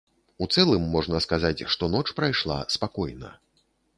У цэлым можна сказаць, што ноч прайшла спакойна.